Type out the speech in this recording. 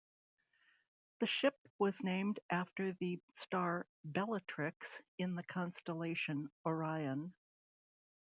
The ship was named after the star Bellatrix in the constellation Orion.